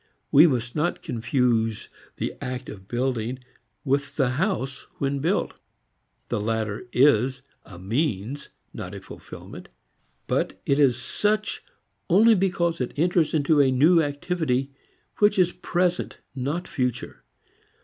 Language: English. We must not confuse the act of building with the house when built. The latter is a means, not a fulfilment. But it is such only because it enters into a new activity which is present not future.